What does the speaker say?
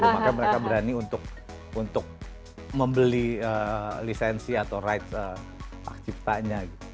maka mereka berani untuk membeli lisensi atau rights pak cipta nya